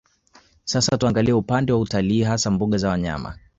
Sasa tuangalie upande wa utalii hasa mbuga za wanyama